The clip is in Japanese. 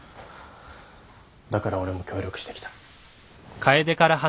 だから俺も協力してきた。